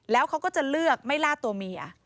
แล้วเขาก็จะเลือกไม่ล่าตัวเมีย